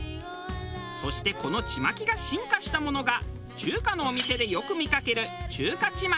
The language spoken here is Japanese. そしてこのちまきが進化したものが中華のお店でよく見かける中華ちまき。